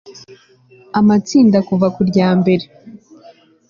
amatsinda kuva ku rya mbere